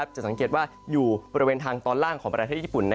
จะสังเกตว่าอยู่บริเวณทางตอนล่างของประเทศญี่ปุ่น